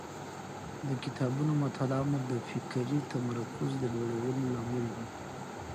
د کتابونو مطالعه مو د فکري تمرکز د لوړولو لامل دی.